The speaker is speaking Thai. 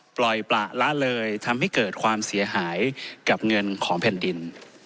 ปล่อยประละเลยทำให้เกิดความเสียหายกับเงินของแผ่นดิน